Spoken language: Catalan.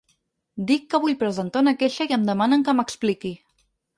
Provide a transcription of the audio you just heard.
Dic que vull presentar una queixa i em demanen que m’expliqui.